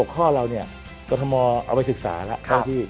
๒๑๖ข้อเรากฎธมเอาไปศึกษาแล้ว